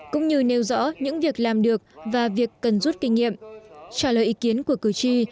cũng như nêu rõ những việc làm được và việc cần rút kinh nghiệm trả lời ý kiến của cử tri